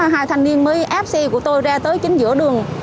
hai thằng niên mới fc của tôi ra tới chính giữa đường